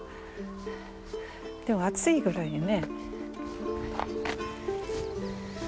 でも暑いぐらいだね。